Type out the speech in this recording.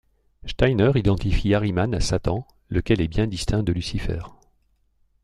Steiner identifie Ahriman à Satan, lequel est bien distinct de Lucifer.